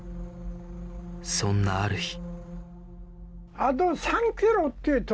そんなある日